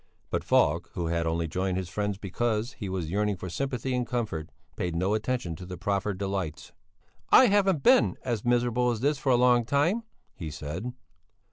But Falk who had only joined his friends because he was yearning for sympathy and comfort, paid no attention to the proffered delights. "I haven't been as miserable as this for a long time," he said.